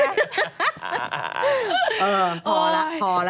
เออพอละพอละ